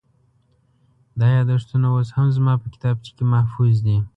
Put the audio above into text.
دا یادښتونه اوس هم زما په کتابخانه کې محفوظ دي.